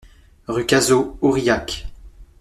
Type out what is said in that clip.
Rue Cazaud, Aurillac